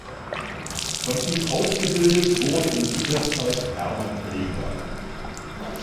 Von ihm ausgebildet wurde in dieser Zeit Hermann Rieger.